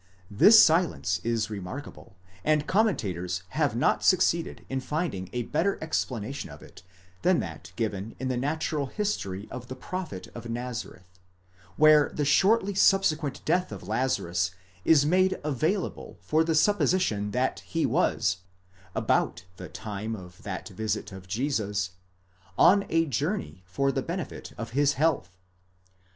'This silence is remark able, and commentators have not succeeded in finding a better explanation of it than that given in the Natural History of the Prophet of Nazareth, where the shortly subsequent death of Lazarus is made available for the supposition that he was, about the time of that visit of Jesus, on a journey for the benefit of his health.